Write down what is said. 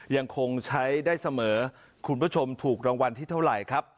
ยังคงใช้ได้เสมอคุณผู้ชมถูกรางวัลที่เท่าไหร่ครับ